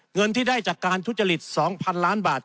เงินที่ได้จากการทุจริต๒๐๐๐ล้านบาท